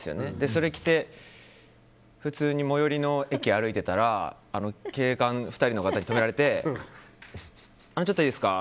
それを着て普通に最寄りの駅を歩いていたら警官２人の方に止められてちょっといいですか？